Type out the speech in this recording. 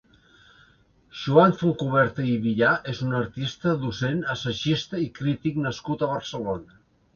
Joan Fontcuberta i Villà és un artista, docent, assagista i crític nascut a Barcelona.